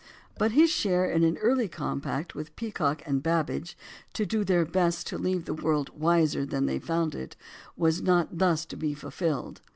But his share in an early compact with Peacock and Babbage, "to do their best to leave the world wiser than they found it," was not thus to be fulfilled.